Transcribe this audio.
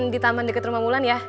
di taman deket rumah wulan ya